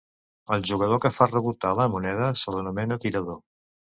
El jugador que fa rebotar la moneda se l'anomena tirador.